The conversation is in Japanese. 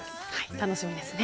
楽しみですね。